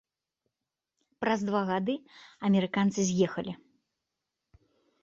Праз два гады амерыканцы з'ехалі.